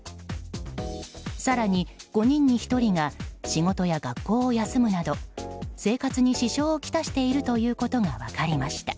更に５人に１人が仕事や学校を休むなど生活に支障をきたしているということが分かりました。